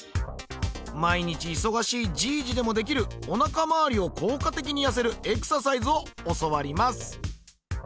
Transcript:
毎日忙しいじいじでもできるおなか回りを効果的に痩せるエクササイズを教わります。